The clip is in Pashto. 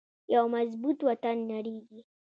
یو مضبوط وطن نړیږي